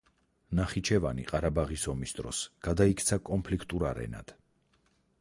ნახიჩევანი, ყარაბაღის ომის დროს, გადაიქცა კონფლიქტურ არენად.